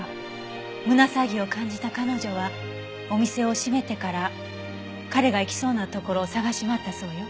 胸騒ぎを感じた彼女はお店を閉めてから彼が行きそうな所を捜し回ったそうよ。